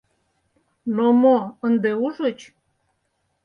— Но мо, ынде ужыч?